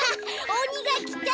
おにがきた！